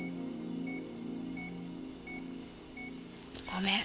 ごめん